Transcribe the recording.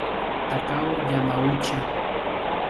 Takao Yamauchi